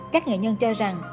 các nghệ nhân cho rằng